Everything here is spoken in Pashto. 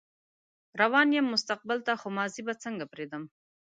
روان يم مستقبل ته خو ماضي به څنګه پرېږدم